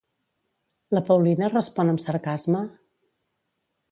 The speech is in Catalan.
La Paulina respon amb sarcasme?